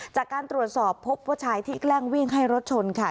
จากการตรวจสอบพบว่าชายที่แกล้งวิ่งให้รถชนค่ะ